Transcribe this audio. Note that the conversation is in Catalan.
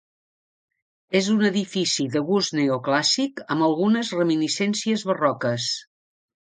És un edifici de gust neoclàssic amb algunes reminiscències barroques.